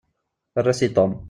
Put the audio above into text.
Err-as i Tom.